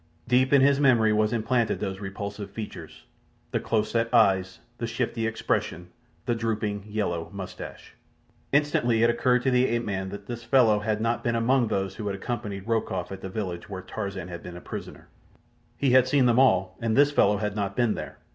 Deep in his memory was implanted those repulsive features—the close set eyes, the shifty expression, the drooping yellow moustache. Instantly it occurred to the ape man that this fellow had not been among those who had accompanied Rokoff at the village where Tarzan had been a prisoner. He had seen them all, and this fellow had not been there.